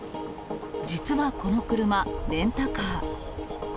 実はこの車、レンタカー。